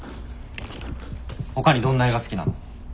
ほかにどんな映画好きなの？